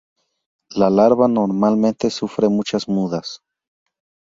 La larva normalmente sufre muchas mudas.